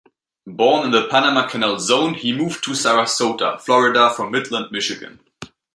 Born in the Panama Canal Zone, he moved to Sarasota, Florida from Midland, Michigan.